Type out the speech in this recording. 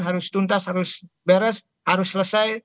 harus tuntas harus beres harus selesai